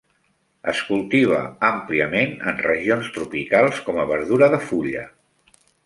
Es cultiva àmpliament en regions tropicals com a verdura de fulla.